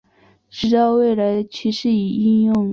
知道未来的趋势与应用